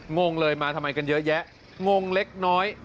งงเลยมาทำไมกันเยอะแยะงงเล็กน้อย